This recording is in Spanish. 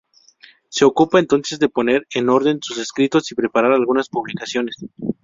Se ocupa entonces de poner en orden sus escritos y preparar algunas publicaciones.